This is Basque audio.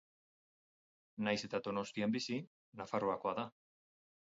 Nahiz eta Donostian bizi, Nafarroakoa da.